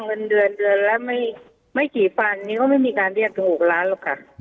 เงินเดือนเดือนละไม่กี่พันนี่ก็ไม่มีการเรียกถึง๖ล้านหรอกค่ะ